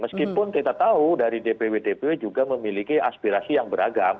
meskipun kita tahu dari dpw dpw juga memiliki aspirasi yang beragam